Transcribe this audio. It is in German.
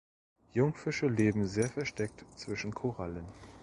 Jungfische leben sehr versteckt zwischen Korallen.